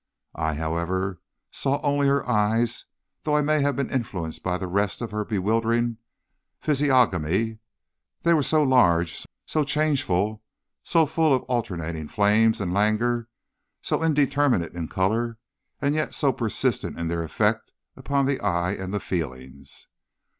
I, however, saw only her eyes, though I may have been influenced by the rest of her bewildering physiognomy; they were so large, so changeful, so full of alternating flames and languor, so indeterminate in color, and yet so persistent in their effect upon the eye and the feelings.